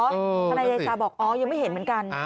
ทนายเดชาบอกอ๋อยังไม่เห็นเหมือนกัน